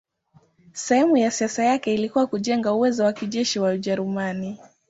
Sehemu ya siasa yake ilikuwa kujenga uwezo wa kijeshi wa Ujerumani.